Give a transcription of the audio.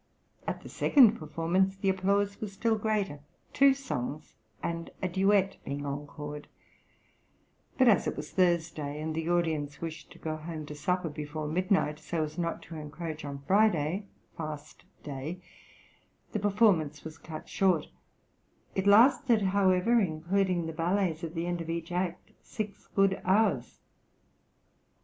At the second performance the applause was still greater, two songs and a duet being encored; but as it was Thursday, and the audience wished to go home to supper before midnight, so as not to encroach on Friday (fast day) the performance was cut short; it lasted, however, including the ballets at the end of each act, six good hours.